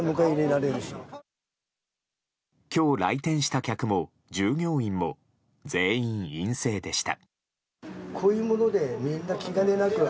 今日来店した客も従業員も全員陰性でした。